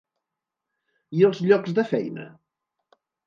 I els llocs de feina?